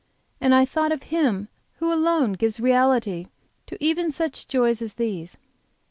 And I thought of Him who alone gives reality to even such joys as these.